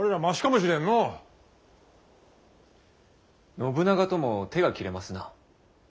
信長とも手が切れますな。